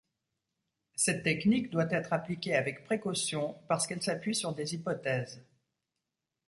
Cette technique doit être appliquée avec précautions parce qu'elle s'appuie sur des hypothèses.